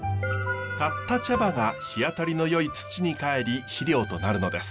刈った茶葉が日当たりのよい土にかえり肥料となるのです。